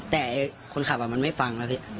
แต่คนขับมันไม่ฟังแล้วพี่